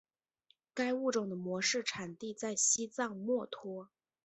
该物种的模式产地在西藏墨脱。